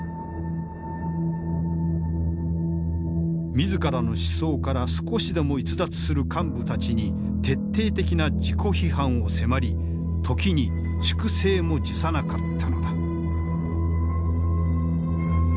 自らの思想から少しでも逸脱する幹部たちに徹底的な自己批判を迫り時に粛清も辞さなかったのだ。